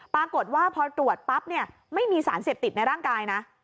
ปรากฏว่าพอตรวจปั๊บเนี่ยไม่มีสารเสพติดในร่างกายนะ